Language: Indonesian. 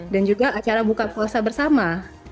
dan juga acara buka puasa bersama